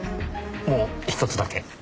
もうひとつだけ。